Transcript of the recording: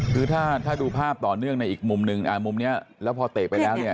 คือถ้าดูภาพต่อเนื่องในอีกมุมหนึ่งมุมนี้แล้วพอเตะไปแล้วเนี่ย